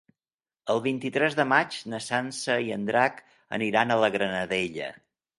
El vint-i-tres de maig na Sança i en Drac aniran a la Granadella.